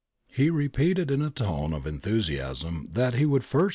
He repeated in a tone of enthusiasm that he ' Chiala'i Pol.